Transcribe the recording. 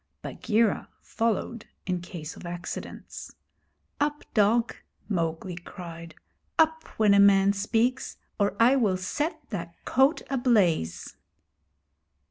Bagheera followed in case of accidents. 'Up, dog!' Mowgli cried. 'Up, when a man speaks, or I will set that coat ablaze!'